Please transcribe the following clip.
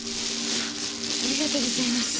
ありがとうございます。